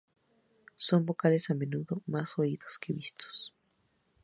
Son vocales, a menudo más oídos que vistos.